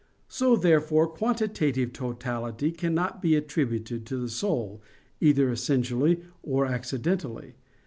So therefore quantitative totality cannot be attributed to the soul, either essentially or accidentally.